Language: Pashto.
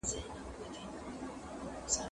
دا انځورونه له هغه ښايسته دي؟